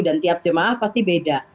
dan tiap jemaah pasti beda